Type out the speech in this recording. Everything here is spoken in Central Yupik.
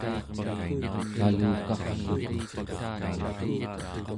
kalukarrluku